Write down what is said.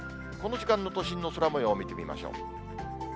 この時間の都心の空もようを見てみましょう。